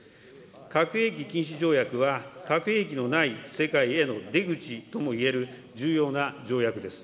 核兵器禁止条約は核兵器のない世界への出口ともいえる重要な条約です。